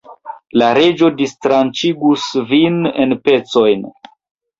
La Reĝo distranĉigus vin en pecojn.